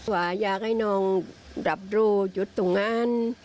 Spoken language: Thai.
ว่าอยากให้น้องรับรู้หยุดตรงนั้น